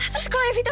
terus kalau evita